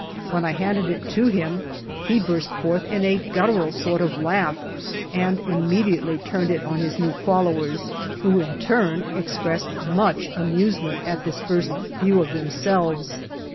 When I handed it to him he burst forth in a guttural sort of laugh and immediately turned it on his new followers, who in turn expressed much amazement at this first 34 BY ox TEAM TO CALIFORNIA view of themselves.